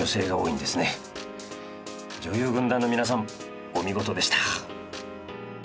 女優軍団の皆さんお見事でした。